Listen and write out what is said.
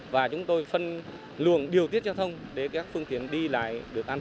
và chúng tôi phân luồng điều tiết giao thông để các phương tiện đi lại